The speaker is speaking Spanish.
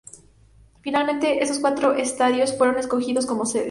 Finalmente, esos cuatro estadios fueron escogidos como sedes.